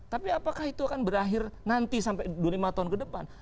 tapi apakah itu akan berakhir nanti sampai dua lima tahun ke depan